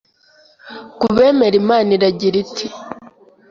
ku bemera Imana iragira iti